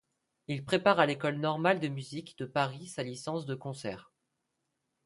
Il prépare à l’École normale de musique de Paris sa licence de concert.